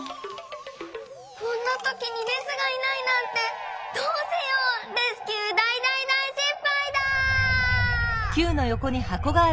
こころのこえこんなときにレスがいないなんてどうしよう⁉レスキューだいだいだいしっぱいだ！